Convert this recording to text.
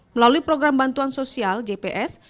melalui program bantuan sosial jps